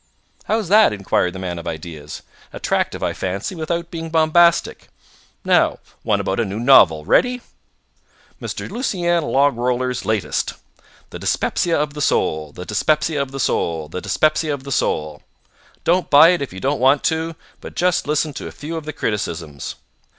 "How's that?" inquired the man of ideas. "Attractive, I fancy, without being bombastic. Now, one about a new novel. Ready?" MR. LUCIEN LOGROLLER'S LATEST The Dyspepsia of the Soul The Dyspepsia of the Soul The Dyspepsia of the Soul Don't buy it if you don't want to, but just listen to a few of the criticisms.